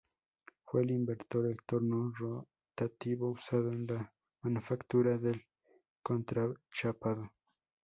Fue el inventor de torno rotativo usado en la manufactura del contrachapado.